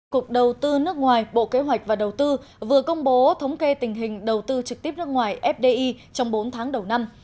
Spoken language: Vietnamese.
cục đầu tư nước ngoài bộ kế hoạch và đầu tư vừa công bố thống kê tình hình đầu tư trực tiếp nước ngoài fdi trong bốn tháng đầu năm